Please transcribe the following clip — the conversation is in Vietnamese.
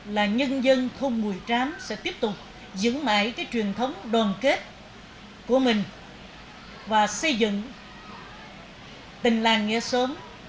là nhân dân thôn bùi chám sẽ tiếp tục giữ mãi cái truyền thống đoàn kết của mình và xây dựng tình làng nghĩa sớm